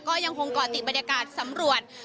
ก็ยังคงเกาะติดบรรยากาศสำรวจ